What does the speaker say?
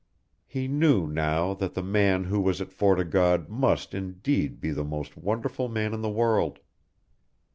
He knew, now, that the man who was at Fort o' God must, indeed, be the most wonderful man in the world.